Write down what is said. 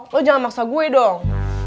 lo jangan maksa gue dong